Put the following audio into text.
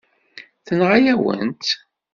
Tenɣa-yawen-tt.